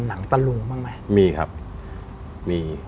หนังตะลุงบ้างไหมมีครับมี